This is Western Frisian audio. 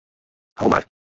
Ho mar.